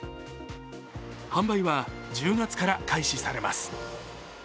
販売は１０月から開始されます。